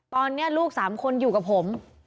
ตอนนี้ลูก๓คนอยู่กับผม